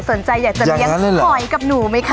สนใจอยากจะเลี้ยงหอยกับหนูไหมคะ